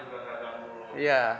rumah juga tidak ganggu